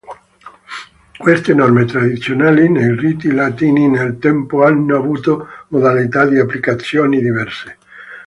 Queste norme tradizionali nei riti latini nel tempo hanno avuto modalità di applicazioni diverse.